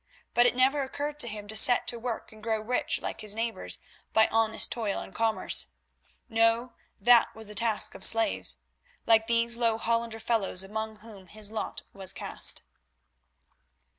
But it never occurred to him to set to work and grow rich like his neighbours by honest toil and commerce. No, that was the task of slaves, like these low Hollander fellows among whom his lot was cast.